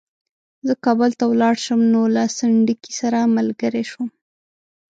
زه کابل ته ولاړ شم نو له سنډکي سره ملګری شوم.